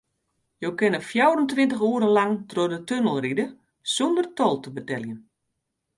Jo kinne fjouwerentweintich oere lang troch de tunnel ride sûnder tol te beteljen.